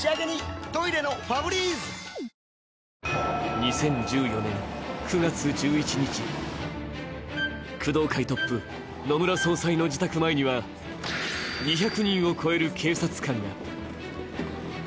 ２０１４年９月１１日、工藤会トップ、野村総裁の自宅前には２００人を超える警察官が。